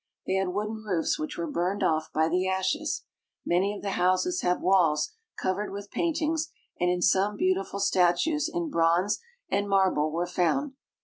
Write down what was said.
They had wooden roofs which were burned off by the ashes. Many of the houses have walls covered with paintings, and in some beautiful statues in bronze and marble were found.